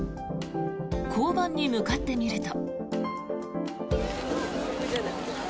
交番に向かってみると。